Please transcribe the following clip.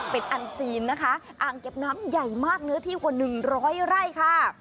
เป็นอันซีนนะคะอ่างเก็บน้ำใหญ่มากเนื้อที่กว่า๑๐๐ไร่ค่ะ